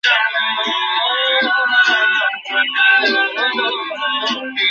তো, গানার, তোমার বোনকে কি তোমার আলাদা লাগছে?